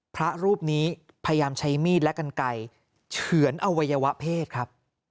พระรูปนี้พยายามใช้มีดและกันไกลเฉือนอวัยวะเพศครับ